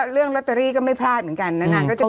เรื่องลอตเตอรี่ก็ไม่พลาดเหมือนกันนะ